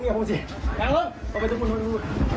เอาแล้ว